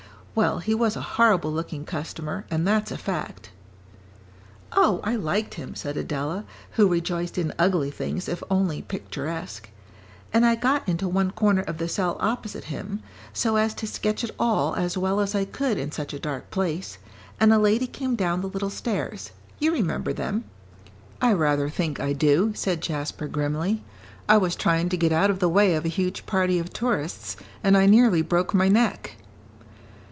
"Well, he was a horrible looking customer, and that's a fact." "Oh, I liked him," said Adela, who rejoiced in ugly things if only picturesque, "and I got into one corner of the cell opposite him, so as to sketch it all as well as I could in such a dark place, and a lady came down the little stairs; you remember them." "I rather think I do," said Jasper, grimly. "I was trying to get out of the way of a huge party of tourists, and I nearly broke my neck."